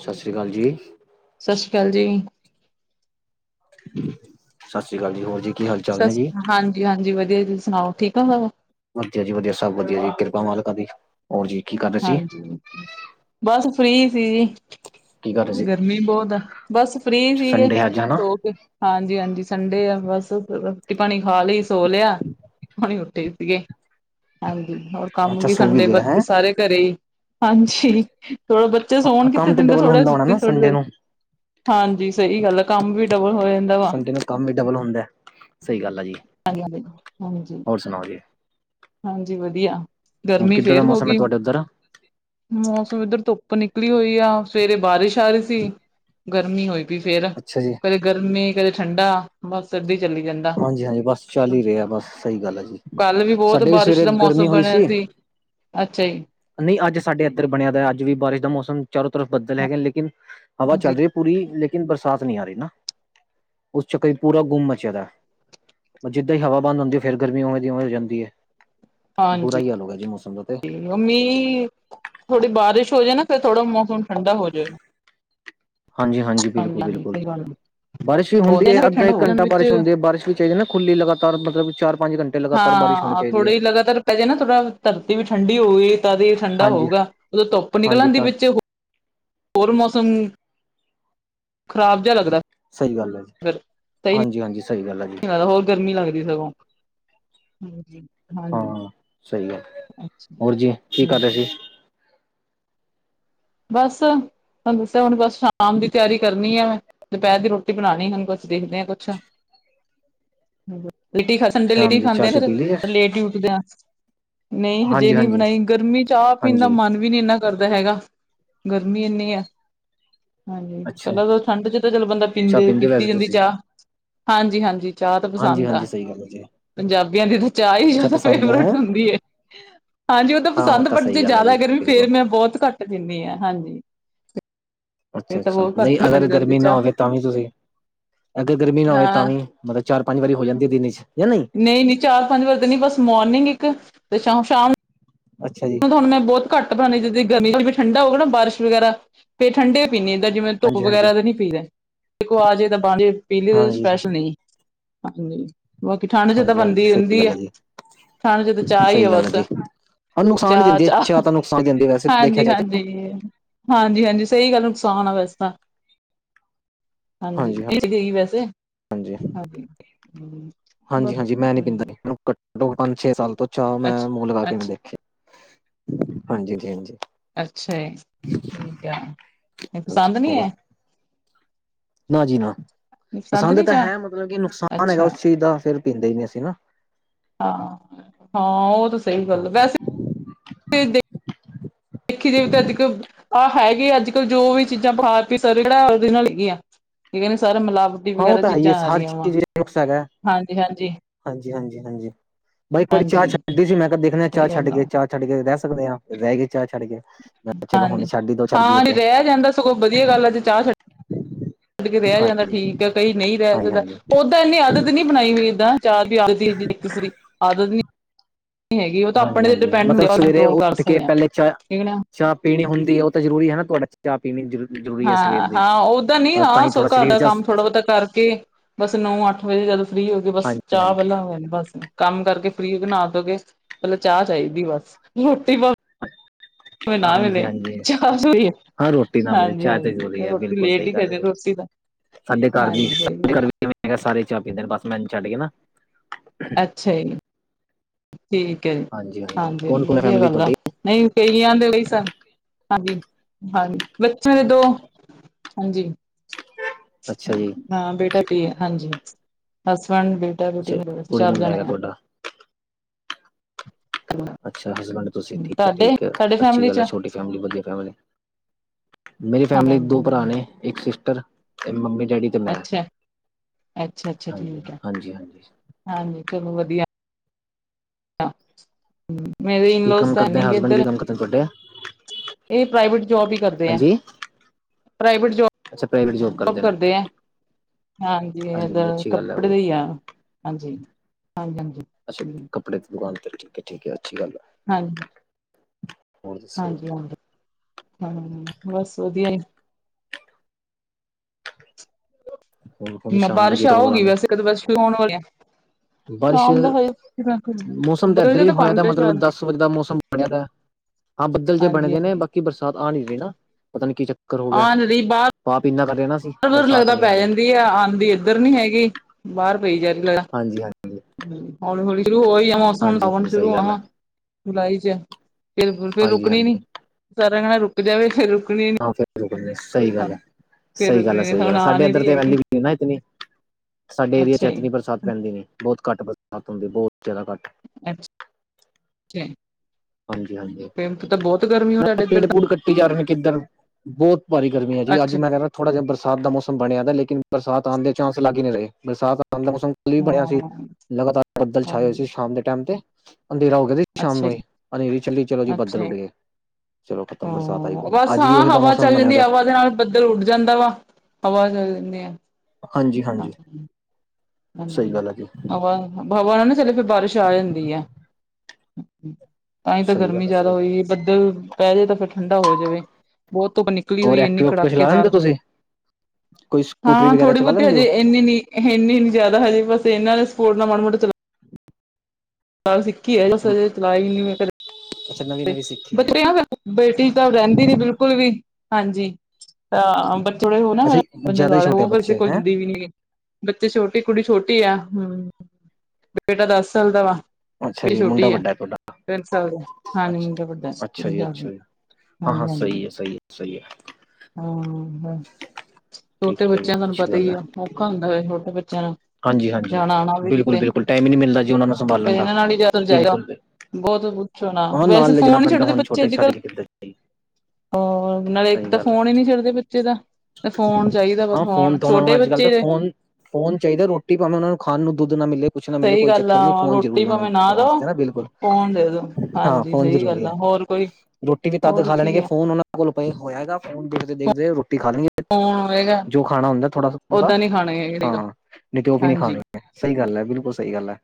ਸਾਸਰੀ ਅਕਾਲ ਜੀ। ਸਾਸਿ ਕਾਲ ਜੀ। ਸਤਿ ਸ੍ਰੀ ਅਕਾਲ ਜੀ, ਹੋਰ ਜੀ? ਕੀ ਹਾਲ ਚਾਲ ਨੇ ਸਾਸ ਜੀ? ਸੀ ਹਾਂ, ਹਾਂਜੀ-ਹਾਂਜੀ ਵਧੀਆ ਜ ਸੁਣਾਓ ਠੀਕ ਆ-ਆ-ਆ। ਵਧੀਆ ਜੀ ਵਧੀਆ, ਸਭ ਵਧੀਆ ਜੀ, ਕਿਰਪਾ ਮਾਲਕਾ ਦੀ। ਹੋਰ ਜੀ ਕੀ ਕਰ? ਰਹੇ ਸੀ, ਹਾਂਜੀ, ਬਸ ਫ੍ਰੀ ਸੀ ਕੀ ਕਰ ਰਹੇ ਜੀ। ਸੀ? ਗਰਮੀ ਬੋਹੋਤ ਆ, ਬਸ ਫ੍ਰਰੀ ਸੀ ਏਹ, ਸੰਡੇ ਹੈ ਅੱਜ ਹਨਾ, ਸੋ ਕੇ। ਹਾਂਜੀ-ਹਾਂਜੀ ਸੰਡੇ ਆ ਬਸ, ਰੋ ਰੋਟੀ ਪਾਣੀ ਖਾ ਲਈ ਸੋ ਲੇਆ। ਹੁਣਿ ਉੱਠੇ ਇ ਸੀਗੇ, ਹਾਂਜੀ ਹੋਰ ਕਾਮ ਅੱਛਾ ਕੀ ਸੋ ਵੀ ਸੰਡੇ ਲਿਆ ਬੱਚੇ ਹੈਂ। ਸਾਰੇ। ਘਰੇ ਈ, ਹਾਂਜੀ ਥੋੜਾ ਬੱਚੇ ਸੋਣ ਕਿੱਥੇ ਕੰਮ ਤੇ ਦਿੰਦੇ ਡਬਲ ਥੋੜਾ ਹੁੰਦਾ ਹੋਣਾ ਸੁੱਤੀ ਨਾ ਥੋੜੀ ਸੰਡੇ ਦੇਰ। ਨੂੰ, ਹਾਂਜੀ, ਸਹੀ ਗੱਲ ਐ ਕੰਮ ਵੀ ਡਬਲ ਹੋ ਜਾਂਦਾ ਵਾ। ਸੰਡੇ ਨੂੰ ਕੰਮ ਵੀ ਡਬਲ ਹੁੰਦਾ ਐ, ਸਹੀ ਗੱਲ ਆ ਜੀ। ਹਾਂਜੀ-ਹਾਂਜੀ, ਹਾਂਜੀ, ਹੋਰ ਸੁਣਾਓ ਜੀ, ਹਾਂਜੀ ਵਧੀਆ। ਹੋਰ ਗਰਮੀ ਕਿੱਦਾਂ ਦਾ ਫੇਰ ਹੋ ਮੌਸਮ ਹੈ ਗੀ? ਤੁਹਾਡੇ ਉੱਧਰ? ਮੌਸਮ ਇੱਧਰ ਧੁੱਪ ਨਿਕਲੀ ਹੋਈ ਆ, ਸਵੇਰੇ ਬਾਰਿਸ਼ ਆ ਰਹੀ ਸੀ, ਗਰਮੀ ਹੋਈ। ਵੀ ਫੇਰ, ਅੱਛਾ ਜੀ, ਕਦੇ ਗਰਮੀ-ਕਦੇ ਠੰਡਾ, ਬਸ ਏਦੇ ਹੀ ਚੱਲੀ ਜਾਂਦਾ। ਹਾਂਜੀ-ਹਾਂਜੀ ਬਾਸ ਚੱਲ ਈ ਰੇਆ ਬਸ, ਸਈ ਗੱਲ ਐ ਜੀ, ਕੱਲ ਬਹੁਤ ਸਾਡੇ ਵੀ ਬਾਰਿਸ਼ ਸਵੇਰੇ ਦਾ ਗਰਮੀ ਮੌਸਮ ਹੋਈ ਬਣਿਆ ਸੀ ਅੱਛਾ ਜੀ। ਨਹੀਂ ਆਜ ਸਾਡੇ ਏਧਰ ਬਣੇਆ ਦਾ ਏ ਆਜ ਵੀ ਬਾਰਿਸ਼ ਦਾ ਮੌਸਮ, ਚਾਰੋ ਤਰਫ਼ ਬੱਦਲ ਹੈਗਾ ਲੇਕਿਨ ਹਵਾ ਹਾਂਜੀ। ਚੱਲ ਰਹੀ ਪੂਰੀ ਲੇਕਿਨ ਬਰਸਾਤ ਨਹੀਂ ਆ ਰਹੀ ਨਾ ਉਸ ਚੱਕਰ ਚ ਪੂਰਾ ਗੁੰਮ ਮਚਿਆ ਦਾ। ਪਰ ਜਿੱਦਾਂ ਹੀ ਹਵਾ ਬਾਂਦ ਹੁੰਦੀ ਏ ਫੇਰ ਗਰਮੀ ਉਵੇਂ ਦੀ ਉਵੇਂ ਹੋ ਜਾਂਦੀ ਏ, ਬੁਰਾ ਹਾਂਜੀ ਹੀ ਹਾਲ ਹੋ ਗਿਆ ਜੀ ਮੌਸਮ ਦਾ ਤੇ। [unintelligible] ਥੋੜੀ ਬਾਰਿਸ਼ ਹੋ ਜਾਏ ਨਾ ਫਿਰ ਥੋੜਾ ਮੌਸਮ ਠੰਡਾ ਹੋ ਜੇ। ਹਾਂਜੀ-ਹਾਂਜੀ ਹਾਂਜੀ ਬਿਲਕੁਲ-ਬਿਲਕੁਲ ਸਹੀ ਗੱਲ ਹੈ। ਬਾਰਿਸ਼ ਵੀ ਹੁੰਦੀ ਉਹਦੇ ਏ, ਨਾ ਅੱਧਾ ਠੰਡਾ ਇੱਕ ਹੋ ਜਾਣ ਕੰਟਾ ਵਿੱਚ ਬਾਰਿਸ਼ ਹੁੰਦੀ ਏ, ਬਾਰਿਸ਼ ਵੀ ਚਾਹੀਦਾ ਨਾ ਖੁੱਲੀ ਲਗਾਤਾਰ ਮਤਲਬ ਚਾਰ ਪੰਜ ਘੰ ਹਾਂ ਥੋੜ੍ਹੇ ਜ ਲਗਾਤਾਰ ਪੈ ਜਾ ਨਾ ਥੋੜਾ ਧਰਤੀ ਵੀ ਠੰਡੀ ਹੋਏ, ਤਾਦ ਏ ਠੰਡਾ ਹਾਂਜੀ ਹੋਊਗਾ। ਉਹਦੋਂ ਧੁੱਪ ਨਿਕਲ ਹਾਂਜੀ ਆਂਦੀ ਤਾਂ ਪੀਚੇ ਹੋਰ ਮੌਸਮ, ਖ਼ਰਾਬ ਜੇਆ ਲੱਗਦਾ ਏ। ਸਹੀ ਗੱਲ ਐ ਜੀ, ਹਾਂਜੀ-ਹਾਂਜੀ ਸਹੀ ਗੱਲ ਏ ਜੀ। ਏਦਾਂ ਹੋਰ ਗਰਮੀ ਲੱਗਦੀ ਸਗੋਂ। ਹਾਂਜੀ ਹਾਂ ਸਹੀ ਗੱਲ ਅੱਛਾ ਹੋਰ ਜੀ ਕੀ ਕਰ ਰਹੇ ਸੀ। ਬਾਸ ਤੁਹਾਨੂੰ ਦੱਸੇਆ ਹੁਣ ਬਸ ਸ਼ਾਮ ਦੀ ਤਿਆਰੀ ਕਰਨੀ ਏ ਮੈਂ। ਦੋਪੈਹਰ ਦੀ ਰੋਟੀ ਬਣਾਣੀ ਹੁਣ ਕੁਛ, ਦੇਖਦੇ ਹਾਂ ਕੁਛ। [inaudible] [unintelligible] ਲੇਟ ਈ ਖਾ, ਸੰਡੇ ਲੇਟ ਸ਼ਾਮ ਈ ਦੀ ਚਾਹ ਖਾਂਦੇ ਨੇ ਚੂ ਤੇ, ਪੀ ਲਈ ਹੈ ਲੇਟ ਈ ਉੱਠਦੇ ਆ। ਨਈ ਹਜੇ ਹਾਂਜੀ ਨਹੀਂ ਹਾਂਜੀ ਬਣਾਈ, ਗਰਮੀ ਚਾਹ ਪੀਣ ਦਾ ਹਾਂਜੀ ਮਨ ਵੀ ਨਈ ਨਾ ਕਰਦਾ ਹੈਗਾ। ਗਰਮੀ ਇੰਨੀ ਐ। ਹਾਂਜੀ ਅੱਛਾ ਪੈਲਾਂ ਜਦੋਂ ਠੰਡ ਚ ਤਾਂ ਚਲ ਬੰਦਾ ਚਾਹ ਪੀਂਦੇ, ਪੀਤੀ ਵੈਸੇ ਜਾਂਦੀ ਤੁਸੀਂ ਚਾਹ ਹਾਂਜੀ -ਹਾਂਜੀ ਚਾਹ ਤਾਂ ਹਾਂਜੀ ਪਸੰਦ ਹਾਂਜੀ ਆ। ਸਹੀ ਗੱਲ ਹੈ ਜੀ ਪੰਜਾਬੀਆਂ ਦੀ ਤੇ ਚਾਹ ਹੀ ਅੱਛਾ ਜ਼ਆਦਾ ਪਸੰਦ ਹੈ ਫੇਵਰਟ ਹੁੰਦੀ ਏ। ਹਾਂਜੀ ਉਹ ਤਾਂ ਹਾਂ ਪਸੰਦ ਬਟ ਸਹੀ ਜੇ ਗੱਲ ਹੈ ਜੀ ਜ਼ੇਆਦਾ ਗਰਮੀ ਬਿਲਕੁਲ ਫੇਰ ਮੈਂ ਬੌਹਤ ਘੱਟ ਪਿੰਨੀ ਆ ਹਾਂਜੀ। ਇਹ ਤਾਂ ਅੱਛਾ-ਅੱਛਾ ਬਹੁਤ ਨਹੀਂ ਘੱਟ ਅਗਰ ਪਸੰਦ ਜਾਂਦੀ ਗਰਮੀ ਨਾ ਚਾਹ ਹੋਵੇ ਤਾਂ ਵੀ ਤੁਸੀਂ, ਅਗਰ ਗਰਮੀ ਨਾ ਹੋਵੇ ਤਾਂ ਹਾਂ ਵੀ ਮਤਲਬ ਚਾਰ ਪੰਜ ਵਾਰੀ ਹੋ ਜਾਂਦੀ ਦਿਨ ਇੱਚ ਯਾ ਨਹੀ? ਨਈ-ਨਈ ਚਾਰ ਪੰਜ ਵਾਰੀ ਤੇ ਨਈ ਬਸ ਮੋਰਨਿੰਗ ਇੱਕ, ਤੇ ਸ਼ਾਮ-ਸ਼ਾਮ ਅੱਛਾ ਜੀ। ਹੁਣ ਮੈਂ ਬੌਤ ਘਾਟ ਬਾਣੀ ਜਿੱ ਗਰਮੀ ਚ ਠੰਡਾ ਹੋਉਗਾ ਨਾ ਬਾਰਿਸ਼ ਵਗੈਰਾ, ਫੇ ਠੰਡੇ ਪੀਣੀ ਆ ਤਾਂ ਜਿਵੇੰ ਟੋ ਹਾਂਜੀ ਹਾਂਜੀ ਵਗੈਰਾ ਦਾ ਨੀ ਪੀ ਦਾਏ, ਇੱਕੋ ਆ ਜਾਏ ਤਾ ਪਾਲੀ ਪੀਲੇ ਦੇ ਹਾਂਜੀ ਸਪੈਸ਼ਲ ਨਈ, ਹਾਂਜੀ। ਬਾਕੀ ਠਾਂਡ ਚ ਤਾਂ ਹਾਂਜੀ ਹਾਂਜੀ ਬਣਦੀ ਸਹੀ ਰੇਂਦੀ ਗੱਲ ਐ, ਹੈ ਜੀ ਠਾਂਡ ਚ ਤੇ ਚਾਹ ਈ ਏ ਸਹੀ ਗੱਲ ਹੈ ਬਸ। ਜੀ ਹਾਂ ਨੁਕਸਾਨ ਹੀ ਚਾਹ, ਦਿੰਦੀ ਹੈ ਚਾਹ ਤਾਂ ਨੁਕਸਾਨ ਦਿੰਦੀ ਵੈਸੇ ਦੇਖਿਆ ਹਾਂਜੀ, ਜਾਏ ਤੇ ਹਾਂਜੀ ਹਾਂਜੀ, ਹਾਂਜੀ ਸਹੀ ਗੱਲ ਨੁਕਸਾਨ ਆ ਵੈਸ ਤਾਂ ਹਾਂਜੀ, ਇਹ ਗਈ ਵੈਸੇ ਹਾਂਜੀ ਹਾਂਜੀ, ਹੂ ਹਾਂਜੀ ਬਸ ਹਾਂਜੀ ਮੈਂ ਨੀ ਹੂ ਪੀਂਦਾ ਘੱਟੋ -ਘਟ ਪੰਜ -ਛੇ ਸਾਲ ਤੋਂ ਚਾਹ ਮੈਂ ਮੂੰਹ ਲਗਾ ਅੱਛਾ ਕੇ ਨਹੀਂ ਅੱਛ ਦੇਖਿਆ। ਹਾਂਜੀ ਜੀ ਹਾਂਜੀ। ਅੱਛਾ ਜੀ, ਠੀਕ ਆ, ਇਹ ਹਾਂਜੀ ਪਸੰਦ ਨਹੀਂ ਹੋਰ ਹੈ। ਨਾ ਜੀ ਨਾ ਪਸੰਦ ਨੀ ਤਾਂ ਚਾਹ ਹੈ, ਮਤਲਬ ਕਿ ਨੁਕਸਾਨ ਹੈਗਾ ਅੱਛਾ ਉਸ ਚੀਜ਼ ਦਾ, ਫਿਰ ਪੀਂਦੇ ਹੀ ਨੀ ਅਸੀਂ ਨਾ। ਹਾਂ, ਹਾਂ ਉਹ ਤਾਂ ਸਹੀ ਗੱਲ ਹਾਂਜੀ ਵੈਸੇ ਦੇਖੀ ਜਾਵੇ ਤਾਂ ਅੱਜ ਕੱਲ ਆਹ ਹੈਗੇ ਅੱਜ ਕੱਲ ਜੋ ਵੀ ਚੀਜ਼ਾਂ ਬਹਾਰ [unintelligible] ਜਿਹੜਾ ਉਹਦੇ ਨਾਲ ਹੈਗੀਆਂ। ਇਹ ਨੀ ਸਾਰੇ ਮਿਲਾਵ ਹਾਂ ਤਾਂ ਹੈਈਏ ਸਰ ਚੀਜ਼ੁਕਸਗਾ ਹੈ। ਹਾਂਜੀ-ਹਾਂਜੀ, ਹਾਂਜੀ, ਹਾਂਜੀ, ਹਾਂਜੀ ਬਈ ਏਕ ਹਾਂਜੀ ਵਾਰੀ ਚਾਹ ਹਾਂਜੀ ਛੱਡੀ ਸੀ ਮੈਂ ਕਿਹਾ ਦੇਖਨੇ ਆ ਚਾਹ ਸਹੀ ਛੱਡ ਗੱਲ ਕੇ ਆ ਚਾਹ ਛੱਡ ਕੇ ਰਹਿ ਸਕਦੇ ਆ ਰਹਿਗੇ ਚਾਹ ਛੱਡ ਕੇ ਮੈਂ ਕਿਹਾ ਚਲੋ ਹੁਣ ਹਾਂਜੀ ਛੱਡ ਹੀ ਦੋ ਛੱਡ ਦਈਏ ਤੇ [unintelligible] ਸਗੋਂ ਵਧੀਆ ਗੱਲ ਆ ਜੇ ਚਾਹ ਛੱਡ ਛੱਡ ਕੇ ਰਹਿ ਜਾਂਦਾ ਹਾਂਜੀ ਠੀਕ ਹੈ, ਕਈ ਨਹੀਂ ਰਹਿ ਹਾਂਜੀ ਜਾਂਦਾ ਹਾਂਜੀ ਓਦਾਂ ਇੰਨੀ ਆਦਤ ਨਹੀਂ ਬਣਾਈ ਹੋਈ ਇੱਦਾਂ ਚਾਹ ਦੀ [unintelligible] ਆਦਤ ਨੀ ਹੈਗੀ ਉਹ ਤਾਂ ਹਾਂਜੀ ਆਪਣੇ ਤੇ ਹਾਂਜੀ ਡਿਪੈਂਡ ਹੁੰਦੀ ਮਤਲਬ ਸਵੇਰੇ ਕੰਟਰੋਲ ਕਰ ਉੱਠ ਕੇ ਸਕਦੇ ਪਹਿਲੇ ਚਾਹ ਠੀਕ ਨਾ। ਚਾਹ ਪੀਣੀ ਹੁੰਦੀ ਹੈ, ਉਹ ਤਾਂ ਜ਼ਰੂਰੀ ਹੈ ਨਾ ਤੁਹਾਡਾ ਚਾਹ ਪੀਣੀ ਜ਼ਰੂਰੀ ਹੈ ਸਵੇਰ ਹਾਂ, ਦੀ ਹਾਂ ਓਦਾਂ ਨੀ ਮਤਲਬ ਤਾਂ ਹਾਂ ਹੀ ਸੋ ਥੋੜਾ ਘਰ ਸਰੀਰ ਦਾ ਚ ਕੰਮ ਥੋੜ੍ਹਾ ਬਹੁਤਾ ਕਰਕੇ ਬਸ ਨੌ ਅੱਠ ਵਜੇ ਜਦੋਂ ਫ੍ਰਰੀ ਹੋ ਕੇ ਬਸ ਹਾਂਜੀ ਚਾਹ ਹਾਂਜੀ ਪਹਿਲਾ ਹੋਇਆ ਬਸ ਕੰਮ ਕਰਕੇ ਫਰੀ ਹੋ ਕੇ ਨਾਹ ਧੋ ਕੇ ਪਹਿਲੋ ਚਾਹ ਚਾਹੀਦੀ ਬਸ ਰੋਟੀ [inaudible] ਕੁਜ ਨਾ ਮਿਲੇ ਹਾਂਜੀ ਚਾਹ ਜਰੂਰੀ ਏ ਹਾਂ ਰੋਟੀ ਨਾਲ ਮਿਲੇ ਹਾਂਜੀ, ਚਾਹ ਤੇ ਹਾਂਜੀ ਜ਼ਰੂਰੀ ਫੇਰ ਹੈ ਰੋਟੀ ਬਿਲਕੁਲ ਲੇਟ ਸਹੀ ਈ ਗੱਲ ਹੈ ਕਰਦੇ ਜੀ [unintelligible] [unintelligible] ਅੱਛਾ ਜੀ ਠੀਕ ਹੈ, ਜੀ ਹਾਂਜੀ, ਕੌਣ ਹਾਂਜੀ ਕੌਣ ਵਧੀਆ ਫੈਮਿਲੀ ਗੱਲ ਆ। ਤੁਹਾਡੀ ਨਹੀਂ ਕਈਆਂ ਦੇ [unintelligible] ਹਾਂਜੀ, ਹਾਂਜੀ ਬੱਚਿਆਂ ਦੇ ਦੋ ਹਾਂਜੀ। ਅੱਛਾ ਜੀ ਹਾਂ ਬੇਟਾ [unintelligible] ਹੈ ਹਾਂਜੀ ਹਸਬੈਂਡ ਬੇ ਅੱਛਾ [unintelligible] ਕੁੜੀ ਚਾਰ ਮੁੰਡਾ ਜਾਣੇ ਹੈਗਾ ਆ। ਤੁਹਾਡਾ ਅੱਛਾ ਹਸਬੈਂਡ ਤੁਸੀਂ ਠੀਕ ਹੈ, ਤੁਹਾਡੇ ਠੀਕ ਹੈ ਤੁਹਾਡੇ ਅੱਛੀ ਫੈਮਿਲੀ ਗੱਲ ਚ ਹੈ ਛੋਟੀ ਫੈਮਲੀ ਵਧੀਆ ਫੈਮਲੀ। ਮੇਰੀ ਫੈਮਲੀ ਹਾਂਜੀ, ਦੋ ਭਰਾ ਹਾਂਜੀ ਨੇ ਇੱਕ ਸਿਸਟਰ ਅਤੇ ਮੰਮੀ ਡੈਡੀ ਤੇ ਮੈਂ ਅੱਛਾ, ਅੱਛਾ, ਅੱਛਾ ਹਾਂਜੀ, ਠੀਕ ਹੈ, ਹਾਂਜੀ, ਹਾਂਜੀ। ਹਾਂਜੀ ਚਲੋ ਵਧੀਆ। ਮੇਰੇ ਇਨ ਕੀ ਲਾਜ਼ ਕੰਮ ਤਾ ਹੈ ਕਰਦੇ ਨੇ ਨੀ ਗੇ ਇਧਰ [unintelligible] ਇਹ ਪ੍ਰਾਈਵੇਟ ਜੋਬ ਹੀ ਕਰਦੇ ਹੈ, ਹਾਂਜੀ ਪ੍ਰਾਈਵੇਟ ਜੋਬ ਅੱਛਾ ਪ੍ਰਾਈਵੇਟ ਜੋਬ [unintelligible] ਨੇ ਕਰਦੇ ਆ ਹਾਂਜੀ ਇਦ ਅੱਛੀ ਗੱਲ ਹੈ ਕੱਪੜੇ ਉਹ ਦਾ ਹੀ ਆ। ਹਾਂਜੀ, ਹਾਂਜੀ, ਹਾਂਜੀ। ਅੱਛਾ ਕੱਪੜੇ ਦੀ ਦੁਕਾਨ ਤੇ ਠੀਕ ਹੈ, ਠੀਕ ਹੈ ਅੱਛੀ ਗੱਲ ਹੈ। ਹਾਂਜੀ, ਹੋਰ ਦੱਸੋ ਹਾਂਜੀ, ਹਾਂਜੀ ਹਾਂ ਬਸ ਵਧੀਆ ਹੀ। ਹੋਰ ਹੁਣ ਸ਼ਾਮ ਦਾ ਬਾਰਿਸ਼ ਕੀ ਆਊਗੀ ਪ੍ਰੋਗਰਾਮ ਹੈ ਵੈਸੇ [unintelligible] ਸ਼ੂਰੂ ਹੋਣ ਵਾਲੀ ਆ। ਬਾਰਿਸ਼ ਸ਼ਾਮ ਦਾ ਹਜੇ ਮੌਸਮ ਤਾਂ ਬਦਲ ਇੱਧਰ ਜਾ ਵੀ ਹੋਇਆ ਦਾ, ਤਾਂ ਪਾਂਦਾ ਮਤਲਬ ਸ਼ਾਇਦ ਦਸ ਮੌਸਮ ਬਣਿਆ ਦਾ ਹਾਂ ਬੱਦਲ ਜੇ ਹਾਂਜੀ, ਬਣੇਦੇ ਨੇ ਹਾਂਜੀ ਬਾਕੀ ਬਰਸਾਤ ਆ ਨੀ ਰਹੀ ਨਾ ਪਤਾ ਨੀ ਕੀ ਚੱਕ ਚੱਕਰ ਹੋ ਗਿਆ ਹਾਂ ਜਿਹੜੀ ਬਾਹਰ ਪਾਪ ਇੰਨਾ ਕਰ ਰਹੇ ਨਾ ਅਸੀਂ ਬਰਸਾਤ ਨਹੀਂ ਆ ਰਹੀ [unintelligible] ਹਾਂਜੀ, ਹਾਂਜੀ। ਹੋਲੀ, ਹੋਲੀ ਸ਼ੂਰੂ ਹੋਈ ਹੈ ਮੋਸਮ ਸਾਵਣ ਹਾਂਜੀ-ਹਾਂਜੀ ਸ਼ੁਰੂ ਸਹੀ ਹੋਣ ਗੱਲ ਆ ਵਾਲਾ। ਜੁਲਾਈ ਚ ਫੇਰ ਫੇਰ ਰੁਕਣੀ ਨੀ ਹਾਂਜੀ-ਹਾਂਜੀ ਸਾਰੇ ਕਹਿਣਾ ਰੁਕ ਜਾਵੇ ਫੇਰ ਰ ਰੁਕਣੀ ਨੀ। [unintelligible] ਸਹੀ ਗੱਲ ਹੈ ਹੁਣ ਫਿਰ ਸਹੀ ਗੱਲ ਹੈ ਰੁਕਣੀ ਨੀ ਸਹੀ ਹੁਣ ਗੱਲ ਆ ਸਾਡੇ ਨੀ ਇੱਧਰ ਰਹੀ ਤੇ ਹੈਗੀ ਵੈਲਯੂ ਹੀ ਨੀ ਨਾ ਇਤਨੀ। ਸਾਡੇ ਏਰੀਏ ਚ ਅੱਛਾ ਜੀ ਇਤਨੀ ਬਰਸਾਤ ਪੈਂਦੀ ਨੇ ਬਹੁਤ ਘੱਟ ਬਰਸਾਤ ਹੁੰਦੀ ਬਹੁਤ ਜ਼ਿਆਦਾ ਘੱਟ। [inaudible] ਹਾਂਜੀ ਹਾਂਜੀ। ਫਿਰ ਤਾਂ ਬਹੁਤ ਗਰਮੀ ਹੋ ਨਾਲੇ ਤੁਹਾਡੇ ਇੱਧਰ ਪੇੜ ਤਾਂ ਪੂੜ ਕੱਟੀ ਜਾ ਰਹੇ ਨੇ ਕਿੱਧਰ ਬਹੁਤ ਭਾਰੀ ਗਰਮੀ ਹੈ ਜੀ ਅੱਛਾ ਅੱਜ ਮੈਂ ਕਹਿ ਰਿਹਾ ਥੋੜ੍ਹਾ ਜਾ ਬਰਸਾਤ ਦਾ ਮੌਸਮ ਬਣਿਆ ਦਾ ਲੇਕਿਨ ਬਰਸਤ ਆਣ ਦੇ ਚਾਂਸ ਲਗ ਹੀ ਨਹੀਂ ਰਹੇ ਬਰਸਾਤ ਆਨ ਦਾ ਮੌਸਮ ਮੀਹ ਬਣਿਆ ਸੀ ਹਾਂ ਲਗਾਤਾਰ ਬੱਦਲ ਛਾਏ ਹੋਏ ਸੀ ਹਾਂਜੀ, ਸ਼ਾਮ ਦੇ ਟਾਈਮ ਤੇ ਅੰਧੇਰਾ ਹੋ ਗਿਆ ਸੀ ਸ਼ਾਮ ਅੱਛਾ ਨੂੰ ਜੀ, ਹੀ। ਹਨੇਰੀ ਚੱਲੀ ਚਲੋ ਬੱਦਲ ਅੱਛਾ ਉੱਡ ਜੀ, ਗਏ ਚਲੋ ਖਤਮ ਬਰਸਾਤ ਆਈ ਹਾਂ ਬਸ ਅੱਜ ਵੀ ਹਾਂ ਉਹੀ ਦਾ ਹਵਾ ਮੌਸਮ ਚੱਲ ਬਣਿਆ ਜਾਂਦੀ ਦਾ ਹਵਾ ਉਹਦੇ ਨਾਲ ਬੱਦਲ ਉੱਡ ਜਾਂਦਾ ਵਾ ਹਵਾ ਚਲ ਜਾਂਦੀ ਆ। ਹਾਂਜੀ ਹਾਂ ਹਾਂਜੀ। ਹਾਂਜੀ ਹਵਾ ਹਵਾ ਨਾ ਨਾ ਚਲੇ ਫਿਰ ਬਾਰਿਸ਼ ਆ ਜਾਂਦੀ ਆ। ਤਾਂ ਹੀ ਤਾਂ ਸਹੀ ਗੱਲ ਗਰਮੀ ਹੈ ਜਿਆਦਾ ਸਹੀ ਹੋਈ ਗੱਲ ਹੁਈ ਏ ਬੱਦਲ ਪੈ ਜਾਏ ਤਾਂ ਫੇਰ ਠੰਢਾ ਹੋ ਜਾਵੇ ਬਹੁਤ ਧੁੱਪ ਨ ਨਿਕਲੀ ਹੋਰ ਹੋਈ ਇੰਨੀ ਐਕਟਿਵਾ ਕੁਛ ਚਲਾ ਲੈਂਦੇ ਕੜਾਕੇਦਾਰ ਹੋ ਤੁਸੀਂ ਕੋਈ ਸਕੂਟਰੀ ਹਾਂ ਵਗੈਰਾ ਥੋੜੀ ਚਲਾ ਬਹੁਤੀ ਲੈਂਦੇ ਹਜੇ ਹੋ ਇੰਨੀ ਨੀ ਇੰਨੀ ਨੀ ਜ਼ਿਆਦਾ ਹਜੇ ਬੱਸ ਇਹਨਾਂ ਨੇ ਸਪੋਰਟ [unintelligible] ਕੱਲ ਸਿੱਖੀ ਅੱਛਾ [unintelligible] ਚਲਾਈ ਨੀ ਮੈਂ ਕਦੇ ਅੱਛਾ ਨਵੀਂ ਨਵੀਂ ਸਿੱਖੀ ਹੈ ਬੱਚੇ ਬੇਟੀ ਤਾਂ ਰਹਿੰਦੀ ਨੀ ਬਿਲਕੁਲ ਵੀ ਹਾਂਜੀ। ਤਾਂ ਬਸ ਥੋੜੇ ਓ ਅੱਛਾ ਨਾ ਜੀ, ਜ਼ਿਆਦਾ ਹੀ ਸਾਲ ਛੋਟੇ ਉਹ ਵੈਸੇ ਬੱਚੇ ਕੋਈ ਹੈਂ ਹੁੰਦੀ ਵੀ ਨੀ ਬੱਚੇ ਛੋਟੀ ਕੁੜੀ ਛੋਟੀ ਆ ਹਮ ਬੇਟਾ ਦਸ ਸਾਲ ਦਾ ਵਾ। ਅੱਛਾ ਤੇ ਜੀ ਮੁੰਡਾ ਛੋਟੀ ਆ ਵੱਡਾ ਹੈ ਤੁਹਾਡਾ ਦਸ ਸਾਲ ਦਾ ਹਾਂਜੀ ਮੁੰਡਾ ਅੱਛਾ ਵੱਡਾ ਅੱਛਾ ਜੀ ਅੱਛਾ ਜੀ ਹਾਂ ਹਾਂਜੀ-ਹਾਂਜੀ, ਹਾਂ ਸਹੀ ਹੈ ਸਹੀ ਹੈ ਸਹੀ ਹੈ ਹਾਂ। ਠੀਕ ਛੋਟੇ ਹੈ ਜੀ ਬੱਚਿਆਂ ਦਾ ਤੁਹਾਨੂੰ ਅੱਛੀ ਪਤਾ ਗੱਲ ਹੀ, ਹੈ ਆ ਔਖਾ ਹੁੰਦਾ ਛੋਟੇ ਬੱਚਿਆਂ ਦਾ। ਹਾਂਜੀ -ਹਾਂਜੀ, ਬਿਲਕੁਲ- ਬਿਲਕੁਲ ਟਾਈਮ ਹੀ ਨਹੀਂ ਮਿਲਦਾ ਜੀ ਉਹਨਾਂ ਨੂੰ ਸੰਭਾਲਣ ਦਾ। ਉਧਰ ਜਾਏਗਾ, ਬਿਲਕੁਲ ਬਿਲ ਬਹੁਤ ਪੁੱਛੋ ਨਾ ਹਾਂ ਨਾਲ ਵੈਸੇ ਲਿਜਾਣਾ ਫੋਨ ਨ ਪੈਂਦਾ ਛੱਡਦੇ ਹੁਣ ਬੱਚੇ ਛੋਟੇ ਅੱਜ ਛੱਡ ਕੱਲ ਕੇ ਕਿੱਦਾਂ ਜਾਈਏ ਹੋਰ, ਨਾਲੇ ਇੱਕ ਸਹੀ ਤਾਂ ਗੱਲ ਹੈ ਫੋਨ ਹੀ ਨਹੀਂ ਛੱਡਦੇ ਬੱਚੇ ਤਾ। ਤੇ ਫੋਨ ਚਾਹੀਦਾ ਵਾ ਹਾਂ ਫੋਨ ਤਾਂ ਉਹਨਾਂ ਨੂੰ ਛੋਟੇ ਅੱਜ ਕੱਲ੍ਹ ਬੱਚੇ ਤਾਂ ਜੇ ਫੋਨ ਫੋਨ ਚਾਹੀਦਾ ਰੋਟੀ ਭਾਵੇਂ ਉਹਨਾਂ ਨੂੰ ਖਾਣ ਨੂੰ ਦੁੱਧ ਨਾ ਮਿਲੇ ਕੁਛ ਨਾ ਮਿਲੇ ਸਹੀ ਕੋਈ ਗੱਲ ਚੱਕਰ ਨਹੀਂ ਆ ਫੋਨ ਰੋਟੀ ਜਰੂਰੀ ਹੋਨਾ ਭਾਵੇਂ ਦੋ ਰਾਸਤੇ ਨਾ ਬਿਲਕੁਲ ਫੋਨ ਦੇ ਦੋ ਹਾਂ। ਹਾਂਜੀ ਫੋਨ ਸਹੀ ਗੱਲ ਜ਼ਰੂਰੀ ਆ ਹੈ ਹੋਰ ਕੋਈ ਰੋਟੀ ਵੀ ਤਦ ਹੋਰ ਖਾ ਕੀ ਲੈਣਗੇ ਆ ਫੋਨ ਉਹਨਾਂ [unintelligible] ਫੋਨ ਦੇਖਦੇ ਦੇਖਦੇ ਰੋਟੀ ਖਾ ਲੈਂਗੇ ਫੋਨ ਹੋਇਗਾ ਔ ਖਾਣਾ ਹੁੰਦਾ ਥੋੜਾ ਬਹੁਤਾ ਹਾਂ ਨਹੀਂ ਤੇ ਉਹ ਵੀ ਨਹੀਂ ਹਾਂਜੀ ਖਾਣ ਗੇ, ਸਹੀ ਗੱਲ ਹੈ ਬਿਲਕੁਲ ਸਹੀ ਗੱਲ ਹੈ।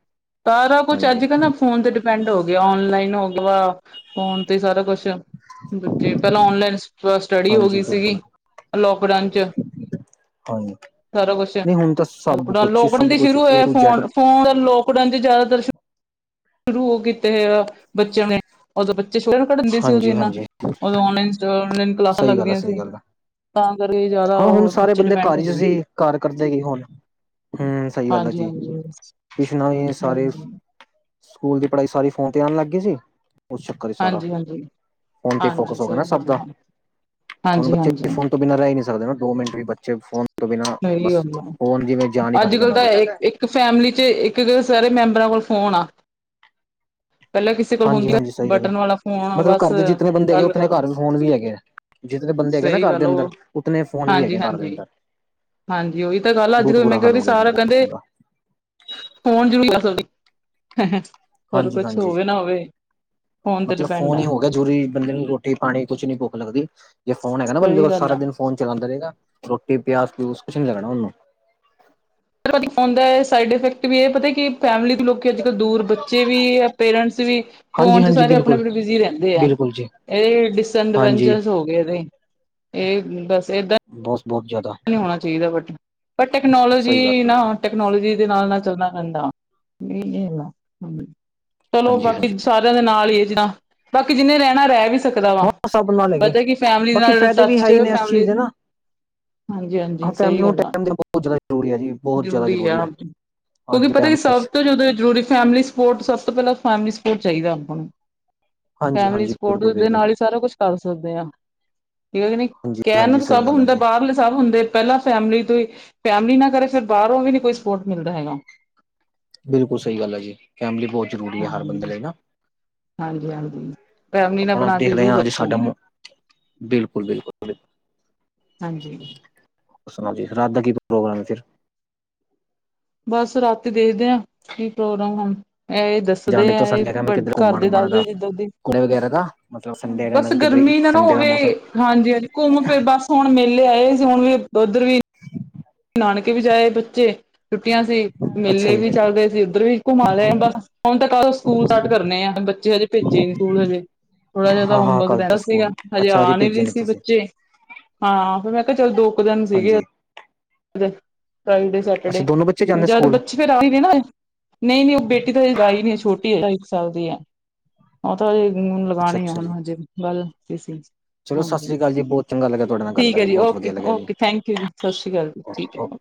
ਸਾਰਾ ਕੁਛ ਹਾਂਜੀ ਅੱਜ ਕੱਲ੍ਹ ਨਾ ਫੋਨ ਤੇ ਡਿਪੈਂਡ ਹੋ ਗਿਆ ਔਨਲਾਈਨ ਹੋ ਗਿਆ ਵਾ ਫੋਨ ਤੇ ਸਾਰਾ ਕੁਛ ਬੱਚੇ ਪਹਿਲਾਂ ਓਨਲਾਈਨ ਸਟਡੀ ਹੋ ਹਾਂਜੀ ਗਈ ਸੀਗੀ ਬਿਲਕੁਲ ਐ ਲੌਕਡਾਊਨ ਚ ਹਾਂਜੀ ਸਾਰਾ ਕੁਛ ਨਹੀਂ ਹੁਣ ਤਾਂ ਲੋਕ ਸਭ ਕੁਛ ਹੀ ਲੋਕਡਾਊਨ ਸਭ ਤੇ ਕੁਛ ਸ਼ੁਰੂ ਏ ਹੋਇਆ ਟੂ ਜੈਡ ਫੋਨ, ਫੋਨ ਲੋਕ ਲੋਕਡਾਓਨ ਚ ਜਿਆਦਾ ਤ ਸ਼ੁਰੂ ਕੀਤੇ ਹੈ ਬੱਚਿਆਂ ਦੇ ਉਦੋਂ ਬੱਚੇ ਛੋਟੇ [unintelligible] ਹਾਂਜੀ ਇਨਾ ਹਾਂਜੀ ਉਦੋਂ ਉਨਲਾਈਨ ਉਨਲਾਈਨ ਕਲਾਸਾਂ ਸਹੀ ਗੱਲ ਹੈ ਲੱਗਦੀਆਂ ਸਹੀ ਸੀ। ਗੱਲ ਹੈ ਤਾਂ ਕਰਕੇ ਜ਼ਿਆਦਾ ਹਾਂ ਹੁਣ ਉਹ ਸਾਰੇ ਬੱਚੇ ਬੰਦੇ ਡਿਪੈਂਡ ਘਰ ਚ ਹੋ ਗਏ। ਸੀ, ਘਰ ਕਰਦੇ ਕੀ ਹੁਣ? ਹੂੰ ਸਹੀ ਗੱਲ ਹੈ ਹਾਂਜੀ ਜੀ ਹਾਂਜੀ ਹੂੰ ਟਿਊਸ਼ਣਾ ਵੀ ਸਾਰੇ ਸਕੂਲ ਦੀ ਪੜ੍ਹਾਈ ਸਾਰੀ ਫੋਨ ਤੇ ਆਉਣ ਲੱਗ ਗਈ ਸੀ ਉਸ ਚੱਕਰ ਹੀ ਸਾਰਾ ਹਾਂਜੀ ਹਾਂਜੀ ਫੋਨ ਤੇ ਹਾਂਜੀ ਫੋਕਸ ਹੋ ਗਿਆ ਸਹੀ ਨਾ ਸਭ ਗੱਲ ਦਾ ਆ ਹੁਣ ਹਾਂਜੀ ਬੱਚੇ ਹਾਂਜੀ ਫੋਨ ਤੋਂ ਬਿਨਾਂ ਰਹਿ ਹੀ ਨੀ ਸਕਦੇ ਨਾ ਦੋ ਮਿੰਟ ਵੀ ਬੱਚੇ ਫੋਨ ਤੋਂ ਬਿਨਾਂ ਸਹੀ ਬਸ ਗੱਲ ਆ ਫੋਨ ਜਿਵੇਂ ਜਾਨ ਈ [unintelligible] ਅੱਜ ਬਨਗੀ ਕੱਲ ਉਹਨਾਂ ਤਾਂ ਦੀ। ਇੱਕ ਇੱਕ ਫੈਮਿਲੀ ਚ ਇੱਕ ਇੱਕ ਸਾਰੇ ਮੈਂਬਰਾਂ ਕੋਲ ਫੋਨ ਆ। ਪਹਿਲਾਂ ਕਿਸੇ [inaudible] ਕੋਲ ਹੁੰਦੀ ਹਾਂਜੀ-ਹਾਂਜੀ ਸਹੀ ਗੱਲ ਹੈ ਬਟਨ ਵਾਲਾ ਫੋਨ ਮਤਲਬ ਬਸ ਘਰ ਦੇ ਜਿਤਨੇ ਬੰਦੇ ਹੈਗੇ ਗੱਲ ਉਤਣੇ ਕਰ ਘਰ ਵਿੱਚ ਫੋਨ ਵੀ ਹੈਗੇ ਆ। ਜਿਤਨੇ ਬੰਦੇ ਹੈਗੇ ਨਾ ਸਹੀ ਘਰ ਦੇ ਗੱਲ ਅੰਦਰ ਉਹ ਉਤਨੇ ਫੋਨ ਵੀ ਹਾਂਜੀ ਹੈਗੇ ਘਰ ਦੇ ਹਾਂਜੀ ਅੰਦਰ। ਹਾਂਜੀ ਉਹੀ ਤਾਂ ਗੱਲ ਆ, ਅੱਜ ਬਹੁਤ ਕੱਲ ਮੈਂ ਬੁਰਾ ਕਿਹਾ ਹਾਲ ਵੀ ਹੋ ਗਿਆ ਜੀ ਸਾਰਾ ਬਹੁਤ ਕਹਿੰਦੇ ਬੁਰਾ [unintelligible] ਹੋਰ ਹਾਂਜੀ ਕੁਛ ਹਾਂਜੀ ਹੋਵੇ ਨਾ ਹੋਵੇ। ਤੇ ਮਤਲਬ ਡਿਪੈਂਡ ਫੋਨ ਹੀ ਆ ਹੋ ਗਿਆ ਜ਼ਰੂਰੀ ਬੰਦੇ ਨੂੰ ਰੋਟੀ, ਪਾਣੀ ਕੁਛ ਨੀ ਭੁੱਖ ਲੱਗਦੀ। ਜੇ ਫੋਨ ਹੈਗਾ ਨਾ ਬੰਦੇ ਸਹੀ ਕੋਲ ਗੱਲ ਸਾਰਾ ਆ ਦਿਨ ਫੋਨ ਚਲਾਂਦਾ ਰਹੇਗਾ ਰੋਟੀ ਪਿਆਜ ਪਿਊਜ ਕੁਛ ਨੀ ਲੱਗਣਾ ਉਹਨੂੰ। [unintelligible] ਸਾਈਡ ਇਫੈਕਟ ਵੀ ਇਹ ਪਤਾ ਕਿ ਫੈਮਿਲੀ ਤੋਂ ਲੋਕ ਅੱਜ ਕੱਲ ਦੂਰ ਬੱਚੇ ਵੀ ਪੇਰੈਂਟਸ ਵੀ ਹਾਂਜੀ ਫੋਨ ਚ ਹਾਂਜੀ ਸਾਰੇ ਆਪਣੇ ਬਿਲਕੁਲ ਆਪਣੇ ਬਿਜ਼ੀ ਰਹਿੰਦੇ ਆ। ਬਿਲਕੁਲ ਜੀ ਇਹ ਹਾਂਜੀ ਡਿਸਡਵੈਂਚਰਸ ਹੋ ਗਏ ਇਹਦੇ ਇਹ ਬਸ ਏਦਾਂ ਬਹੁਤ ਬਹੁਤ ਜ਼ਿਆਦਾ। ਨਹੀਂ ਹੋਣਾ ਚਾਹੀਦਾ ਬਟ ਪਰ ਸਹੀ ਟੈਕਨੋਲੋਜੀ ਗੱਲ ਨਾ ਹੈ। ਟੈਕਨੋਲੋਜੀ ਦੇ ਨਾਲ ਨਾਲ ਚੱਲਣਾ ਪੈਂਦਾ [unintelligible] ਚਲੋ ਹਾਂਜੀ ਹਾਂਜੀ ਬਾਕੀ ਸਾਰਿਆਂ ਦੇ ਨਾਲ ਹੀ ਆ [unintelligible] ਬਾਕੀ ਜਿੰਨੇ ਰਹਿਣਾ ਰਹਿ ਵੀ ਸਕਦਾ ਵਾ ਹਾਂ ਸਭ ਨਾਲ ਹੈਗੇ ਪਤਾ ਕਿ ਫੈਮਿਲੀ ਬਾਕੀ ਨਾਲ ਫਾਇਦੇ ਵੀ ਟੱਚ ਹੈ ਹੀ ਚ ਨੇ ਇਸ ਚੀਜ਼ ਫੈਮਿਲੀ ਦੇ ਨਾ ਹਾਂਜੀ ਹਾਂਜੀ, ਹਾਂ ਫੈਮਿਲੀ ਸਹੀ ਨੂੰ ਗੱਲ ਆ ਟਾਈਮ ਦੇਣਾ ਬਹੁਤ ਜ਼ਿਆਦਾ ਜ਼ਰੂਰੀ ਹੈ ਜੀ ਬਹੁਤ ਜ਼ਿਆਦਾ ਜ਼ਰੂਰੀ ਆ ਹੈ ਆਪ ਅੱਜ ਕਿਉਂਕਿ ਦੇ ਪਤਾ ਟਾਈਮ ਕਿ ਸਭ ਵਿੱਚ ਤੋਂ ਜ਼ਿਆਦਾ ਜ਼ਰੂਰੀ ਫੈਮਿਲੀ ਸਪੋਰਟ ਸਭ ਤੋਂ ਪਹਿਲਾਂ ਫੈਮਿਲੀ ਸਪੋਰਟ ਚਾਹੀਦਾ ਆਪਾਂ ਨੂੰ ਹਾਂਜੀ ਫੈਮਿਲੀ ਹਾਂਜੀ ਸਪੋਰਟ ਬਿਲਕੁਲ ਦੇ ਬਿਲਕੁਲ ਨਾਲ ਹੀ ਸਾਰਾ ਕੁਛ ਕਰ ਸਕਦੇ ਹਾਂ ਠੀਕ ਆ ਕੇ ਨਹੀਂ ਹਾਂਜੀ ਕਹਿਣ ਹਾਂਜੀ ਨੂੰ ਸਹੀ ਸਭ ਗੱਲ ਹੈ ਹੁੰਦਾ। ਜੀ ਲੇ ਸਭ ਹੁੰਦੇ ਪਹਿਲਾਂ ਫੈਮਿਲੀ ਤੋਂ ਫੈਮਲੀ ਨਾ ਕਰੇ ਫਿਰ ਬਾਹਰੋਂ ਵੀ ਨੀ ਕੋਈ ਸਪੋਰਟ ਮਿਲਦਾ ਹੈਗਾ। ਬਿਲਕੁਲ ਸਹੀ ਗੱਲ ਆ ਜੀ ਫੈਮਿਲੀ ਬਹੁਤ ਜ਼ਰੂਰੀ ਆ ਹਰ ਹਾਂਜੀ ਬੰਦੇ ਲਈ ਨਾ ਹਾਂਜੀ ਹਾਂਜੀ, ਫੈਮਲੀ ਨਾਲ ਆਪਣਾ ਬਣਾ ਕੇ ਦੇਖਦੇ ਜ਼ਰੂਰ ਹਾਂ ਅੱਜ ਰੱਖੋ। ਸਾਡਾ ਮੌ- ਬਿਲਕੁਲ ਬਿਲਕੁਲ ਬ ਹਾਂਜੀ। ਸੁਣਾਓ ਜੀ ਰਾਤ ਦਾ ਕੀ ਪ੍ਰੋਗਰਾਮ ਐ ਫਿਰ? ਬਸ ਰਾਤੀ ਦੇਖਦੇ ਆ ਕੀ ਪ੍ਰੋਗਰਾਮ ਹੁਣ ਇਹ ਦੱਸ ਦੇ ਜਾਣੇ ਤੋਂ ਐ ਸੰਡੇ ਦਾ ਮੈਂ ਕਿੱਧਰ ਘੁੰਮਣ ਘਰਦੇ ਘੁੰਮਣ ਦਾ ਦੱਸਦੇ ਜਿੱਧਰ ਦੀ ਘੁੰਮਣ ਵਗੈਰਾ ਦਾ ਮਤਲਬ ਸੰਡੇ ਦਾ ਬਸ ਮੈਂ ਕਿਧਰੇ ਗਰਮੀ ਨਾ ਨਾ ਸੰਡੇ ਦਾ ਹੋਵੇ ਮੌਸਮ ਹਾਂਜੀ ਹਾਂਜੀ ਘੁੰਮ ਫਿਰ ਬਸ ਹੁਣ ਮੇਲੇ ਆਏ ਸੀ ਹੁਣ ਵੀ ਉੱਧਰ ਵੀ ਨਾਨਕੇ ਵੀ ਜਾ ਆਏ ਬੱਚੇ ਛੁੱਟੀਆਂ ਸੀ। ਅੱਛਾ ਮੇਲੇ ਜੀ ਵੀ ਚੱਲਦੇ ਸੀ ਉੱਧਰ ਵੀ ਘੁੰਮਾ ਲਏ ਬਸ ਹੁਣ ਤਾਂ ਕੱਲ ਸਕੂਲ ਸਟਾਰਟ ਕਰਨੇ ਆ ਬੱਚੇ ਹਜੇ ਭੇਜੇ ਨੀ। ਸਕੂਲ ਹਜੇ ਥੋੜ੍ਹਾ ਜਾ ਤਾਂ ਹਾਂ ਹਾਂ ਹੋਮਵਰਕ ਕੱਲ ਰਹਿੰਦਾ ਤੋਂ ਸੀਗਾ ਸਕੂਲ ਹਜੇ ਅੱਛਾ ਜੀ ਆਣੇ ਭੇਜੇ ਵੀ ਨੇ ਸੀ ਤੁਸੀਂ ਬੱਚੇ। ਹਾਂ ਫਿਰ ਮੈਂ ਕਿਹਾ ਚੱਲ ਦੋ ਕੁ ਦਿਨ ਸੀਗੇ ਹਾਂਜੀ ਫਰਾਈਡੇ, ਅੱਛਾ ਸੈਟਰਡੇ ਦੋਨੋਂ ਬੱਚੇ ਜਾਂਦੇ ਜਦ ਸਕੂਲ ਬੱਚੇ ਫਿਰ ਆਹੀ ਨੇ ਨਾ ਨਹੀਂ ਨਹੀਂ ਉਹ ਬੇਟੀ ਤਾਂ ਹਲੇ ਲਾਈ ਨੀ ਛੋਟੀ ਇੱਕ ਸਾਲ ਦੀ ਐ। ਉਹ ਤਾਂ ਅੱਛਾ ਲਗਾਣੀ ਆ ਅੱਛਾ ਹੁਣ ਜੀ ਹਜੇ ਗੱਲ ਕੀਤੀ ਸੀ। ਚਲੋ ਸਤਿ ਹਾਂਜੀ ਸ੍ਰੀ ਅਕਾਲ ਜੀ ਬਹੁਤ ਚੰਗਾ ਲੱਗਿਆ ਤੁਹਾਡੇ ਨਾਲ ਗੱਲ ਠੀਕ ਐ ਕਰਕੇ ਜੀ ਬਹੁਤ ਵਧੀਆ ਓਕੇ ਲੱਗਿਆ ਜੀ। ਓਕੇ ਥੈਂਕ ਯੂ ਜੀ ਸਤਿ ਸ਼੍ਰੀ ਅਕਾਲ ਜੀ ਠੀਕ ਹੈ।